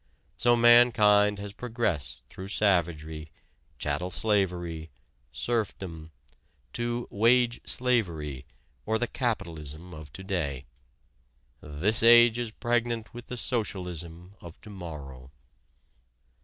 So mankind has progressed through savagery, chattel slavery, serfdom, to "wage slavery" or the capitalism of to day. This age is pregnant with the socialism of to morrow.